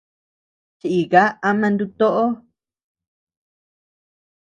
Chíika ama nutoʼo.